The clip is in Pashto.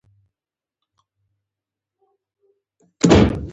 د ورېښتانو د ختلو او سپینېدلو پوښتنه هېڅکله مه کوئ!